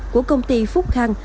của công ty phúc khang